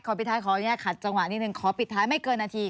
ปิดท้ายขออนุญาตขัดจังหวะนิดนึงขอปิดท้ายไม่เกินนาที